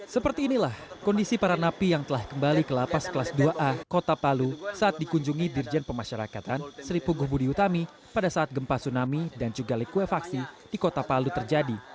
seperti inilah kondisi para napi yang telah kembali ke lapas kelas dua a kota palu saat dikunjungi dirjen pemasyarakatan sri puguh budi utami pada saat gempa tsunami dan juga likuifaksi di kota palu terjadi